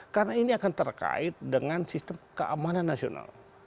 karena ini akan terkait dengan sistem keamanan nasional